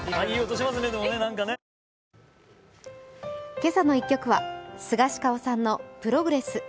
「けさの１曲」はスガシカオさんの「Ｐｒｏｇｒｅｓｓ」。